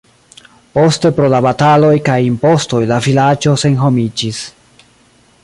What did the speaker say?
Poste pro la bataloj kaj impostoj la vilaĝo senhomiĝis.